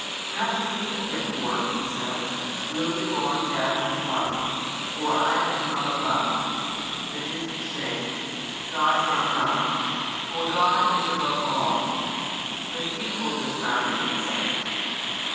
Not to Me therefore (He says) will belong death and flight, for I am from above, i. e., God from God (for God is above all) but you will this rather befit.